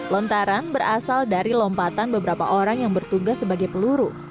lontaran berasal dari lompatan beberapa orang yang bertugas sebagai peluru